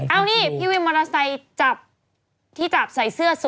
เอานี่พี่วินมอเตอร์ไซค์จับที่จับใส่เสื้อ